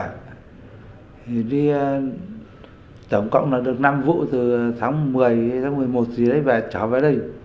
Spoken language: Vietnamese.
thì đi tổng cộng là được năm vụ từ tháng một mươi tháng một mươi một rưỡi và trở về đây